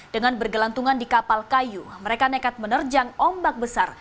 dengan bergelantungan di kapal kayu mereka nekat menerjang ombak besar